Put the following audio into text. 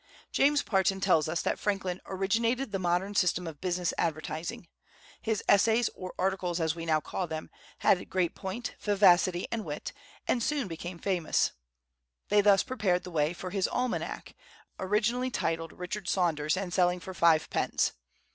James Parton tells us that Franklin "originated the modern system of business advertising." His essays, or articles, as we now call them, had great point, vivacity, and wit, and soon became famous; they thus prepared the way for his almanac, originally entitled "Richard Saunders," and selling for five pence.